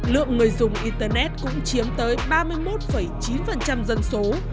lượng người dùng internet cũng chiếm tới ba mươi một chín dân số